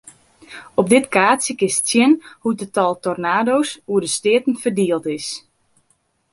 Op dit kaartsje kinst sjen hoe't it tal tornado's oer de steaten ferdield is.